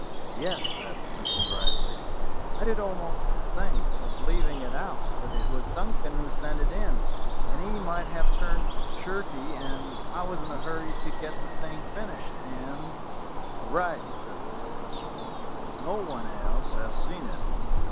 "Yes," said Smithson brightly, "I did almost think of leaving it out; but it was Duncan who sent it in, and he might have turned shirty, and I was in a hurry to get the thing finished, and " "All right," said the Celestial: "no one else has seen it.